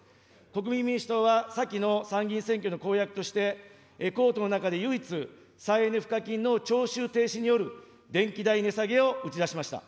国民民主党は、先の参議院選挙の公約として、の中で唯一再エネ賦課金の徴収停止による電気代値下げを打ち出しました。